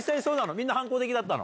みんな反抗的だったの？